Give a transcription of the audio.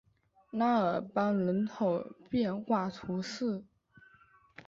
拉尔邦人口变化图示